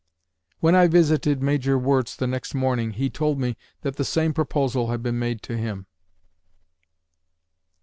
When I visited Major Wirz the next morning he told me that the same proposal had been made to him.